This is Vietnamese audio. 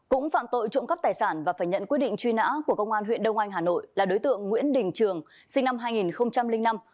cũng phạm tội trộm cắp tài sản và phải nhận quyết định truy nã của công an huyện đông anh hà nội là đối tượng nguyễn đình trường sinh năm hai nghìn năm